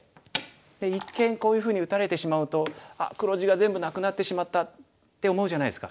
一見こういうふうに打たれてしまうと「あっ黒地が全部なくなってしまった」って思うじゃないですか。